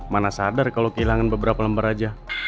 mana sadar kalau kehilangan beberapa lembar aja